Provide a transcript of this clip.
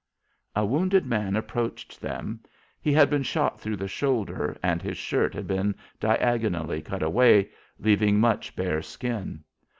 A wounded man approached them. He had been shot through the shoulder and his shirt had been diagonally cut away, leaving much bare skin.